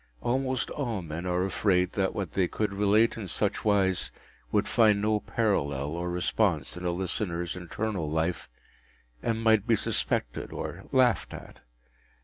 Almost all men are afraid that what they could relate in such wise would find no parallel or response in a listener’s internal life, and might be suspected or laughed at.